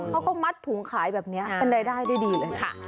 เขาก็มัดถุงขายแบบนี้เป็นรายได้ได้ดีเลยค่ะ